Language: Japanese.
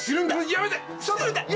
やめて！